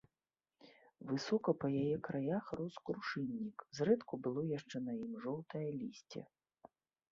Высока па яе краях рос крушыннік, зрэдку было яшчэ на ім жоўтае лісце.